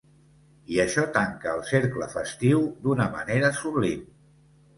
I això tanca el cercle festiu d’una manera sublim.